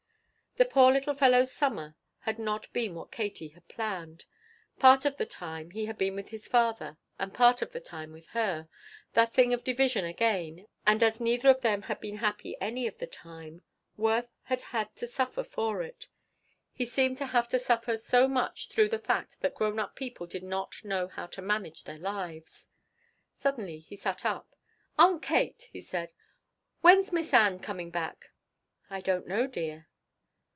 The poor little fellow's summer had not been what Katie had planned. Part of the time he had been with his father and part of the time with her that thing of division again, and as neither of them had been happy any of the time Worth had had to suffer for it. He seemed to have to suffer so much through the fact that grown up people did not know how to manage their lives. Suddenly he sat up. "Aunt Kate," he asked, "when's Miss Ann coming back?" "I don't know, dear."